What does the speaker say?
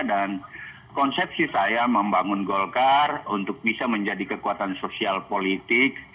dan konsepsi saya membangun golkar untuk bisa menjadi kekuatan sosial politik bagi negara